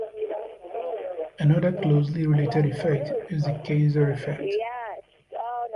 Another, closely related effect is the Kaiser effect.